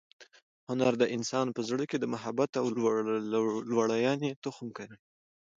هنر د انسان په زړه کې د محبت او لورینې تخم کري.